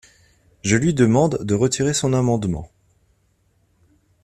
Je lui demande de retirer son amendement.